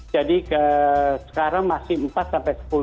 jadi sekarang masih empat sampai sepuluh